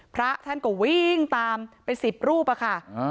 พระท่านก็วิ่งตามเป็น๑๐รูปอะค่ะ